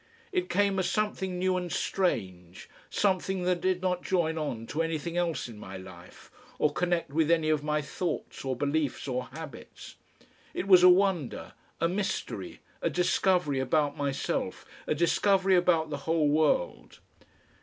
It came as something new and strange, something that did not join on to anything else in my life or connect with any of my thoughts or beliefs or habits; it was a wonder, a mystery, a discovery about myself, a discovery about the whole world.